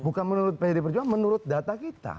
bukan menurut pd perjuangan menurut data kita